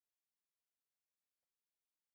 تالابونه د افغانانو ژوند اغېزمن کوي.